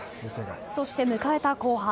そして迎えた後半。